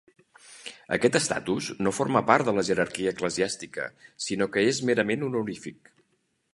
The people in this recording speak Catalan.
Aquest estatus no forma part de la jerarquia eclesiàstica sinó que és merament honorífic.